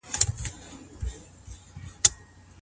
د درملو ساتلو لپاره یخچال ولي اړین دی؟